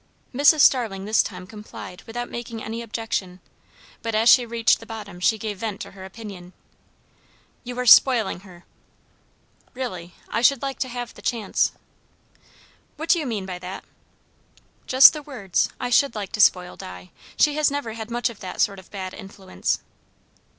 Mrs. Starling this time complied without making any objection; but as she reached the bottom she gave vent to her opinion. "You are spoiling her!" "Really I should like to have the chance." "What do you mean by that?" "Just the words. I should like to spoil Di. She has never had much of that sort of bad influence."